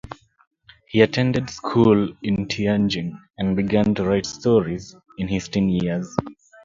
He attended school in Tianjin and began to write stories in his teen years.